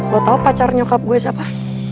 lo tau pacar nyokap gue siapa